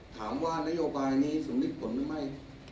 ถามว่านโยบายนี้สำนึกผลหรือไม่